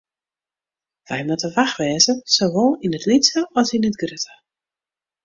Wy moatte wach wêze, sawol yn it lytse as yn it grutte.